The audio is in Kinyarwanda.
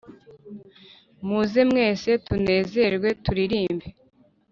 Muze mwese tunezerwe turirimbe